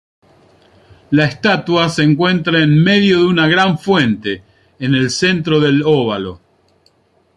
La estatua se encuentra en medio de una gran fuente, en el centro del Óvalo.